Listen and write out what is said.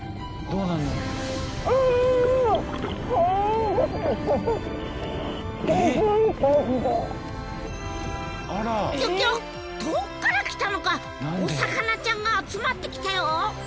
どっから来たのかお魚ちゃんが集まってきたよ！